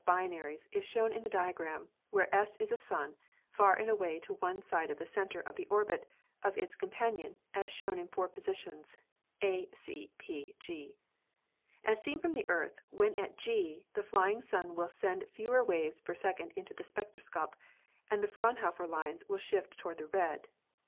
binaries is shown in the diagram, where S is a sun, far and away to one side of the center of the orbit of its compan ion, as shown in four positions, A, C, P, G. As seen from the Earth when at G, the flying sun will send fewer waves per second into the spectroscope and the Fraunhofer lines will shift toward the red.